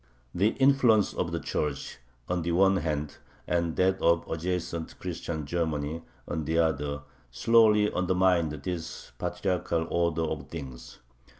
The influence of the Church, on the one hand, and that of adjacent Christian Germany, on the other, slowly undermined this patriarchal order of things.